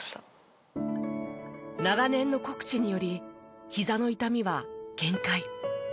長年の酷使によりひざの痛みは限界。